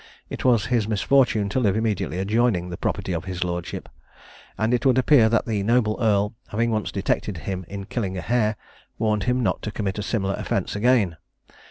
It was his misfortune to live immediately adjoining the property of his lordship; and it would appear that the noble earl having once detected him in killing a hare, warned him not to commit a similar offence again.